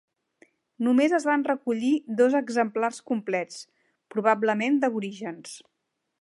Només es van recollir dos exemplars complets, probablement d'aborígens.